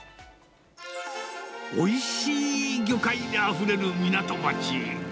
おいしい魚介があふれる港町。